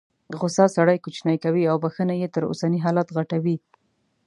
غوسه سړی کوچنی کوي او بخښنه یې تر اوسني حالت غټوي.